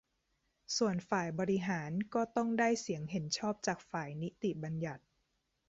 ส่วนฝ่ายบริหารก็ต้องได้เสียงเห็นชอบจากฝ่ายนิติบัญญัติ